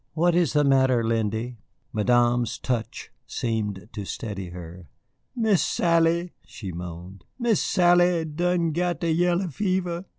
"What is the matter, Lindy?" Madame's touch seemed to steady her. "Miss Sally," she moaned, "Miss Sally done got de yaller fever."